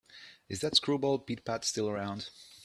Is that screwball Pit-Pat still around?